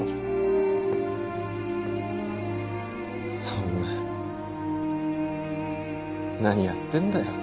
そんな何やってんだよ。